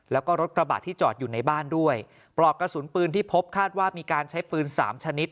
แล้วก็รถกระบะที่จอดอยู่ในบ้านด้วยปลอกกระสุนปืนที่พบคาดว่ามีการใช้ปืนสามชนิด